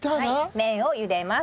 麺を茹でます。